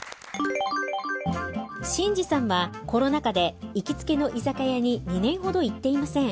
信二さんはコロナ禍で行きつけの居酒屋に２年ほど行っていません。